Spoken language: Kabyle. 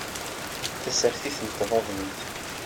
Tasertit n tbaḍnit